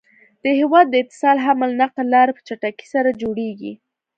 د هيواد د اتصال حمل نقل لاری په چټکی سره جوړيږي